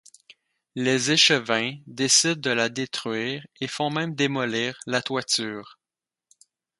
Les échevins décident de la détruire et font même démolir la toiture.